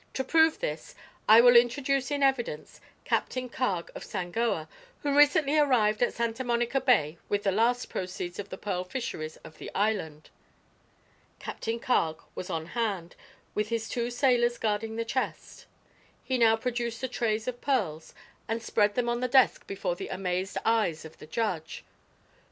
"To prove this, I will introduce in evidence Captain Carg of Sangoa, who recently arrived at Santa Monica Bay with the last proceeds of the pearl fisheries of the island." Captain Carg was on hand, with his two sailors guarding the chest. He now produced the trays of pearls and spread them on the desk before the amazed eyes of the judge.